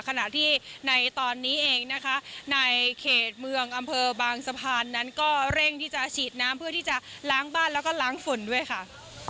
ขณะที่ในตอนนี้เองนะคะในเขตเมืองอำเภอบางสะพานนั้นก็เร่งที่จะฉีดน้ำเพื่อที่จะล้างบ้านแล้วก็ล้างฝุ่นด้วยค่ะ